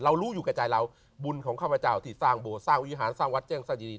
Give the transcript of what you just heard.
รู้อยู่แก่ใจเราบุญของข้าพเจ้าที่สร้างโบสถสร้างวิหารสร้างวัดแจ้งสดี